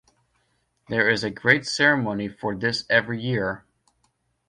There is a great ceremony for this every year.